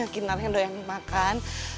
kinar yang doyan makan